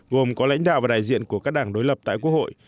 gồm có lãnh đạo và đại diện của các đảng đối lập tại quốc hội